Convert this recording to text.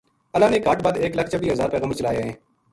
اللہ نے کہٹ بدھ ایک لکھ چبی ہزار پیغمبر چلایا ہیں۔